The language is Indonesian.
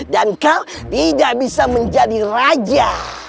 kau tidak bisa menjadi raja